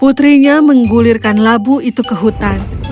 putrinya menggulirkan labu itu ke hutan